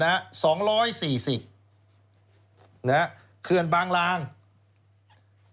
แล้วก็เคลื่อนบ้านสันติ